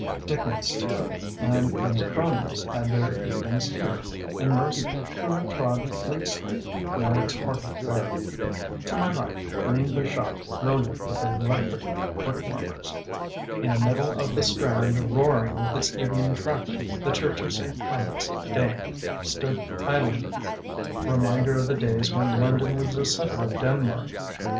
Dickens, too, and his cronies had their evenings here, and most who have trod Fleet Street know its hearty fare. To my right gleamed a shop brilliant with electric foot warmers. In the middle of the Strand roaring with its evening traffic the Church of St. Clements Dane stood islanded, reminder of the days when London was the centre of Denmark.